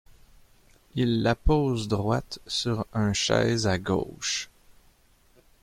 Il la pose droite sur un chaise à gauche.